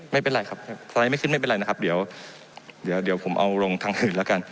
ไม่เป็นไรครับสไลด์ไม่ขึ้นไม่เป็นไรนะครับเดี๋ยวเดี๋ยวผมเอาลงทางอื่นแล้วกัน